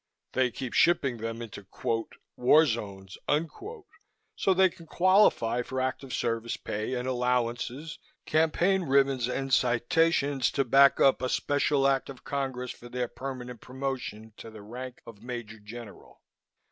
They keep shipping them into quote war zones unquote, so they can qualify for active service pay and allowances, campaign ribbons and citations, to back up a special act of congress for their permanent promotion to the rank of Major General."